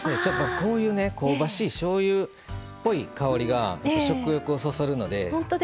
こういう香ばしいしょうゆっぽい香りが食欲をそそるので。